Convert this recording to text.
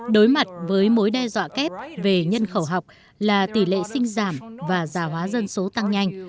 đối mặt với mối đe dọa kép về nhân khẩu học là tỷ lệ sinh giảm và giả hóa dân số tăng nhanh